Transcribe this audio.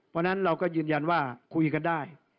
เพราะฉะนั้นเราก็ยืนยันว่าคุยกันได้